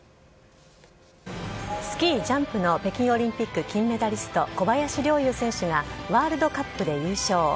スキージャンプの北京オリンピック金メダリスト、小林陵侑選手が、ワールドカップで優勝。